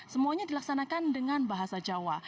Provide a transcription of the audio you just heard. semuanya dilaksanakan dengan bahasa jawa